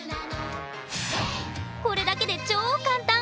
これだけで超簡単！